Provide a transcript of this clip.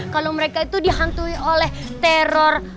kalau mereka itu dihantui oleh teror